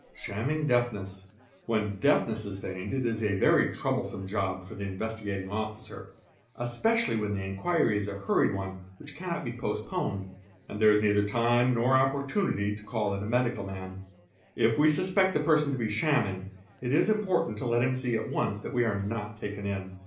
Shamning Deafness. _ When deafness is feigned it is a very troublesome job for the Investi | wing Officer, especially when the inquiry is a hurried one which cannot Be postponed, and there is neither time nor opportunity to call in a Medical man. If we suspect the person to be shamming, it is important 'let him see at once that we are not taken in.